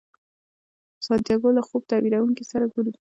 سانتیاګو له خوب تعبیرونکي سره ګوري.